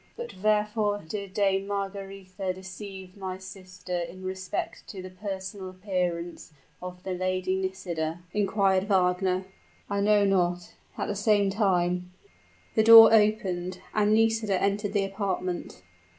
"But wherefore did Dame Margaretha deceive my sister in respect to the personal appearance of the Lady Nisida?" inquired Wagner. "I know not. At the same time " The door opened, and Nisida entered the apartment.